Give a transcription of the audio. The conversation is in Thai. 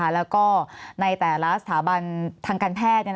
แล้วก็ในแต่ละสถาบันทางการแพทย์